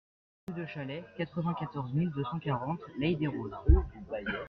Rue de Chalais, quatre-vingt-quatorze mille deux cent quarante L'Haÿ-les-Roses